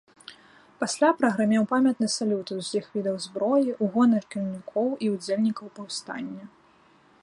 Пасля прагрымеў памятны салют з усіх відаў зброі у гонар кіраўнікоў і ўдзельнікаў паўстання.